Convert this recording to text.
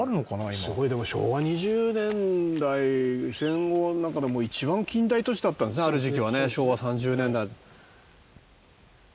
すごいでも昭和２０年代戦後の中でもう一番近代都市だったんですねある時期はね昭和３０年代。